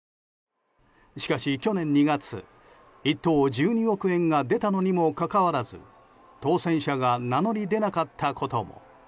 しかし、去年２月１等１２億円が出たのにもかかわらず当せん者が名乗り出なかったことも。